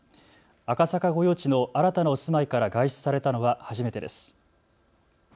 赤坂御用地の新たなお住まいから外出されたのは初めてです。